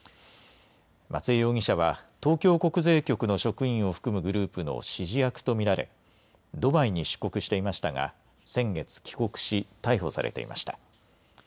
松江容疑者は東京国税局の職員を含むグループの指示役と見られドバイに出国していましたが先月、帰国し逮捕されていました。